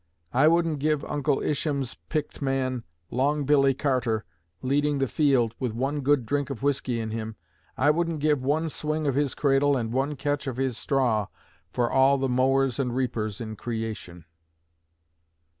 I wouldn't give Uncle Isham's picked man, "long Billy Carter," leading the field, with one good drink of whisky in him I wouldn't give one swing of his cradle and one "ketch" of his straw for all the mowers and reapers in creation.